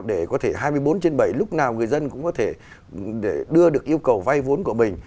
để có thể hai mươi bốn trên bảy lúc nào người dân cũng có thể đưa được yêu cầu vay vốn của mình